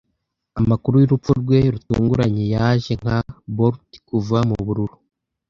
Amakuru yurupfu rwe rutunguranye yaje nka bolt kuva mubururu.